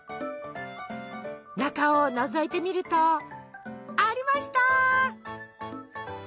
中をのぞいてみるとありました！